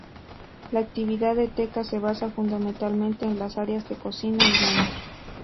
La actividad de Teka se basa fundamentalmente en las áreas de cocina y baño.